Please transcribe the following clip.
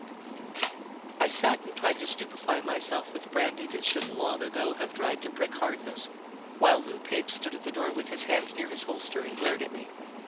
I sat and tried to stupefy myself with brandy that should long ago have dried to brick hardness, while Lou Pape stood at the door with his hand near his holster and glared at me.